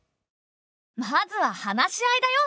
まずは話し合いだよ。